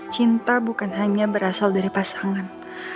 cinta bukan hanya berasal dari pasangan